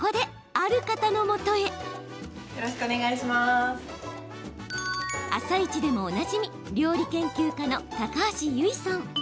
「あさイチ」でもおなじみ料理研究家の高橋ゆいさん。